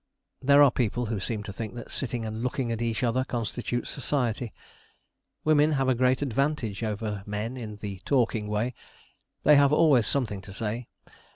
There are people who seem to think that sitting and looking at each other constitutes society. Women have a great advantage over men in the talking way; they have always something to say.